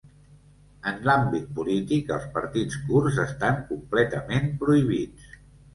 En l’àmbit polític, els partits kurds estan completament prohibits.